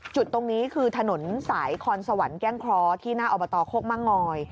จุดตรงนี้คือถนนสายคอนสวรรค์แก้งเคราะห์ที่หน้าอบตโคกม่างงอย